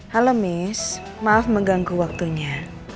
halo miss maaf mengganggu waktunya